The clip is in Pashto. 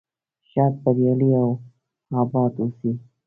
ښاد بریالي او اباد اوسئ.